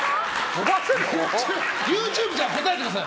ＹｏｕＴｕｂｅじゃあ答えてください。